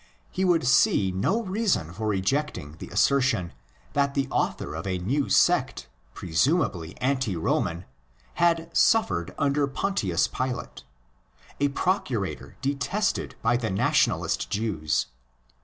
He would see no reason for rejecting the assertion that the author of a new sect, presumably anti Roman, had '' suffered under Pontius Pilate," a Procurator detested by the nationalist Jews.